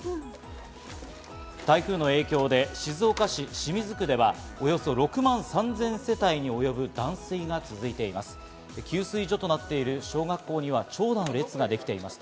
台風の影響で静岡市清水区ではおよそ６万３０００世帯に及ぶ断水が続いています。